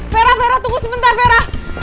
fera fera tunggu sebentar fera